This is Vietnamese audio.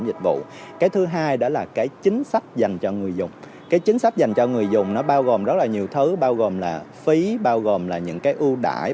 dùng nó bao gồm rất là nhiều thứ bao gồm là phí bao gồm là những cái ưu đải